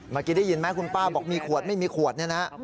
เมื่อกี้ได้ยินไหมคุณป้าบอกมีขวดไม่มีขวดเนี่ยนะ